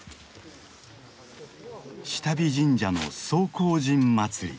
志多備神社の総荒神祭り。